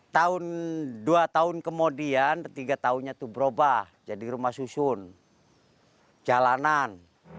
tiga tahun kemudian berubah jadi rumah susun jalanan